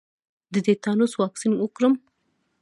د تیتانوس واکسین وکړم؟